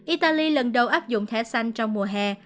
italy lần đầu áp dụng thẻ xanh trong mùa hè